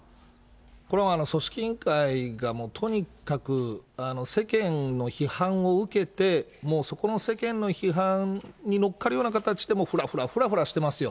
これは組織委員会が、とにかく世間の批判を受けて、そこの世間の批判に乗っかるような形で、もうふらふらふらふらしてますよ。